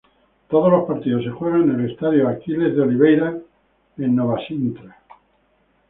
Todos los partidos se juegan en el estadio Aquiles de Oliveira en Nova Sintra.